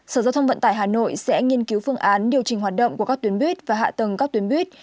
sở giao thông vận tải hà nội sẽ nghiên cứu phương án điều chỉnh hoạt động của các tuyến buýt và hạ tầng các tuyến buýt